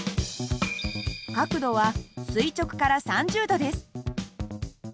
角度は垂直から３０度です。